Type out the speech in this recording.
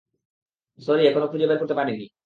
Sorry, এখনো খুঁজে বের করতে পারিনি।